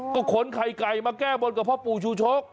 ก็ขนไข่ไก่มาแก้บนกับพ่อปู่ชูชก